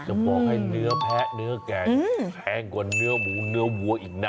บอกให้เนื้อแพะเนื้อแกงแพงกว่าเนื้อหมูเนื้อวัวอีกนะ